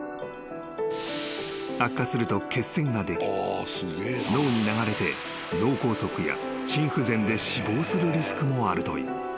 ［悪化すると血栓ができ脳に流れて脳梗塞や心不全で死亡するリスクもあるという］